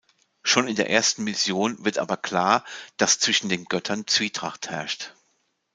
Schon in der ersten Mission wird aber klar, dass zwischen den Göttern Zwietracht herrscht.